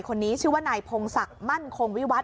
คนนี้ชื่อว่านายพงศักดิ์มั่นคงวิวัฒ